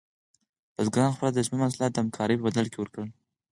بزګران خپل ارزښتمن محصولات د همکارۍ په بدل کې ورکول.